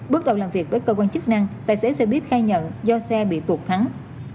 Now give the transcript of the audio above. bước đầu làm việc với cơ quan chức năng tài xế xe buýt khai nhận do xe bị tuột thắng